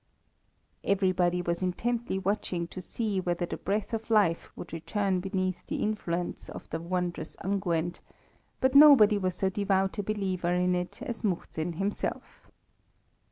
Everybody was intently watching to see whether the breath of life would return beneath the influence of the wondrous unguent, but nobody was so devout a believer in it as Muhzin himself.